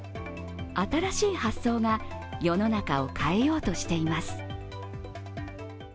新しい発想が世の中を変えようとしています。